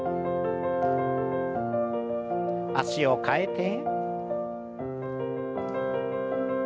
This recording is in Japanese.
脚を替えて。